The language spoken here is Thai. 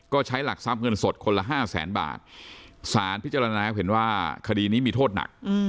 ก็ใช้หลักซ้ำเงินสดคนละ๕๐๐๐๐๐บาทสารพิจารณาเห็นว่าคดีนี้มีโทษหนัก